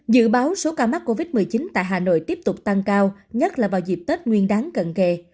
dự báo số ca mắc covid một mươi chín tại hà nội tiếp tục tăng cao nhất là vào dịp tết nguyên đáng cận kề